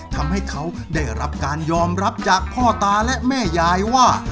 ทำให้เขาได้รับการยอมรับจากพ่อตาและแม่ยายว่า